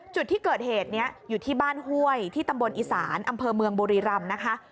จุดที่เกิดเหตุนี้อยู่ที่บ้านห้วยที่ตำบลอีสานอำเภอเมืองบุรีรำนะคะ